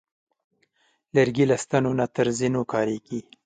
لرګی له ستنو نه تر زینو کارېږي.